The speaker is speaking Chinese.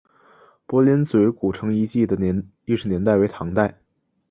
柏林嘴古城遗址的历史年代为唐。